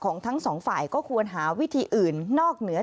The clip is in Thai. ทั้งสองฝ่ายก็ควรหาวิธีอื่นนอกเหนือ